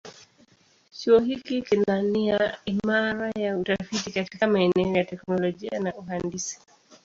Chuo hiki kina nia imara ya utafiti katika maeneo ya teknolojia na uhandisi.